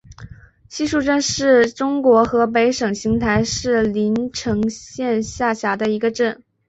西竖镇是中国河北省邢台市临城县下辖的一个镇。